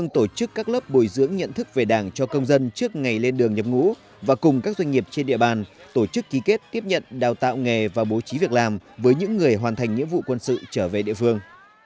trước khi lên đường nhập ngũ các địa phương giao quân đều tổ chức các hoạt động xuất tiến giao lưu văn nghệ và dành hơn bốn tỷ đồng tặng quà trợ cấp các gia đình tân binh có hoàn cảnh khó khăn